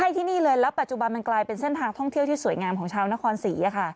ใช่ที่นี่เลยแล้วปัจจุบันมันกลายเป็นเส้นทางท่องเที่ยวที่สวยงามของชาวนครศรีอะค่ะ